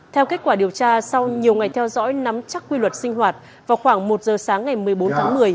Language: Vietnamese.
theo kết quả điều tra sau nhiều ngày theo dõi nắm chắc quy luật sinh hoạt vào khoảng một giờ sáng ngày một mươi bốn tháng một mươi